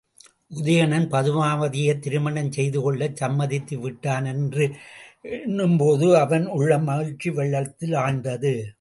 உதயணன் பதுமாபதியைத் திருமணம் செய்து கொள்ளச் சம்மதித்துவிட்டான் என்று எண்ணும் போதே அவனுள்ளம் மகிழ்ச்சி வெள்ளத்தில் ஆழ்ந்தது!